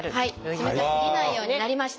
冷たすぎないようになりました。